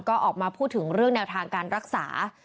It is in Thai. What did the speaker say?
ก็ออกมาพูดถึงเรื่องแนวทางการรักษา